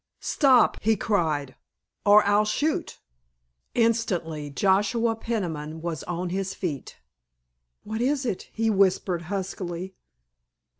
"Stop," he cried, "or I'll shoot!" Instantly Joshua Peniman was on his feet. "What is it?" he whispered huskily.